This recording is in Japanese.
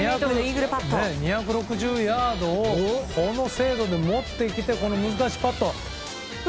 ２６０ヤードをこの精度で持っていけて難しいパット。